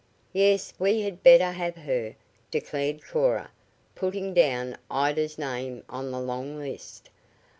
"Yes, we had better have her," declared Cora, putting down Ida's name on the long list.